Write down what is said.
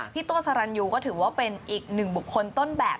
ตัวสรรยูก็ถือว่าเป็นอีกหนึ่งบุคคลต้นแบบ